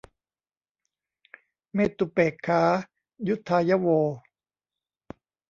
เมตตุเปกขายุทธายะโว